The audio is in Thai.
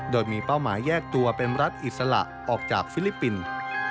โดยมีเป้าหมายแยกตัวเป็นรัฐอิสระออกจากฟิลิปปินส์